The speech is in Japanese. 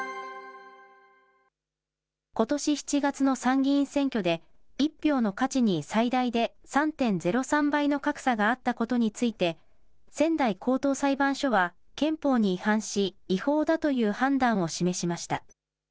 ことし７月の参議院選挙で、１票の価値に最大で３．０３倍の格差があったことについて、仙台高等裁判所は、憲法に違反し、違法だという判断を示しました。